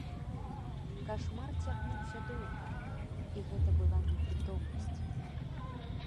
Кашмар цягнуўся доўга, і гэта была непрытомнасць.